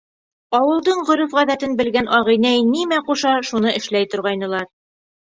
Ауылдың ғөрөф-ғәҙәтен белгән ағинәй нимә ҡуша, шуны эшләй торғайнылар.